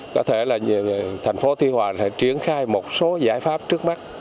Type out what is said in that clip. có thể là thành phố tuy hòa sẽ triển khai một số giải pháp trước mắt